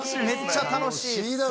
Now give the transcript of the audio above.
めっちゃ楽しいっすね